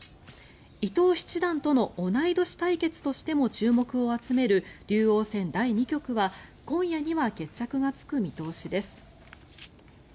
伊藤七段との同い年対決としても注目を集める竜王戦第２局は今夜には決着がつく見通しです。